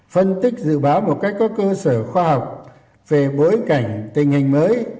phân tích dự báo một cách có cơ sở khoa học về bối cảnh tình hình mới